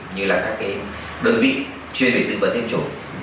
như là các cái đơn vị chuyên về tư vấn tiêm chủng